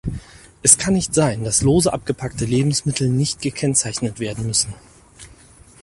Es kann nicht sein, dass lose abgepackte Lebensmittel nicht gekennzeichnet werden müssen.